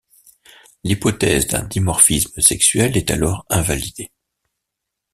L'hypothèse d'un dimorphisme sexuel est alors invalidée.